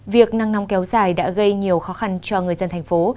việc nắng nóng kéo dài đã gây nhiều khó khăn cho người dân thành phố